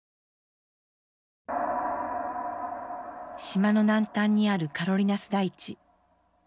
島の南端にあるカロリナス台地。